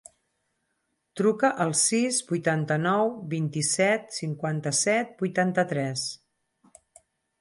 Truca al sis, vuitanta-nou, vint-i-set, cinquanta-set, vuitanta-tres.